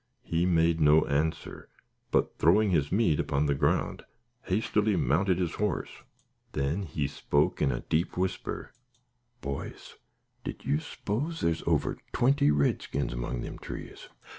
He made no answer, but throwing his meat upon the ground, hastily mounted his horse. Then he spoke in a deep whisper: "Boys, did you 'spose there's over twenty redskins among them trees?"